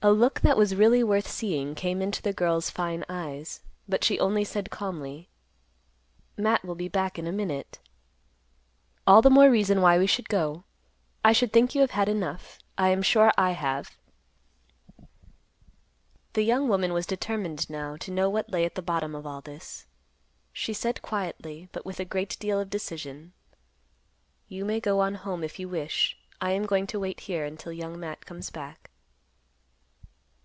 A look that was really worth seeing came into the girl's fine eyes, but she only said calmly; "Matt will be back in a minute." "All the more reason why we should go. I should think you have had enough. I am sure I have." The young woman was determined now to know what lay at the bottom of all this. She said quietly, but with a great deal of decision, "You may go on home if you wish; I am going to wait here until Young Matt comes back."